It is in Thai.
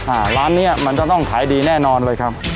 อ่าร้านเนี้ยมันจะต้องขายดีแน่นอนเลยครับ